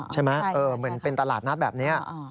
ใช่ไหมเป็นตลาดนัดแบบนี้